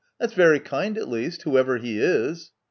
That's very kind at least, Whoever he is.